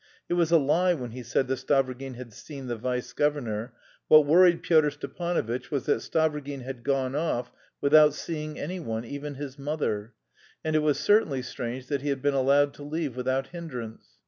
It was a lie when he said that Stavrogin had seen the vice governor; what worried Pyotr Stepanovitch was that Stavrogin had gone off without seeing anyone, even his mother and it was certainly strange that he had been allowed to leave without hindrance.